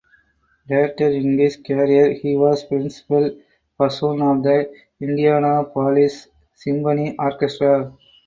Later in his career he was Principal Bassoon of the Indianapolis Symphony Orchestra.